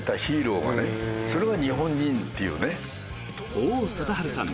王貞治さん